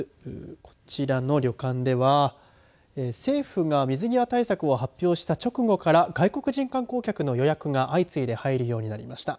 こちらの旅館では政府が水際対策を発表した直後から外国人観光客の予約が相次いで入るようになりました。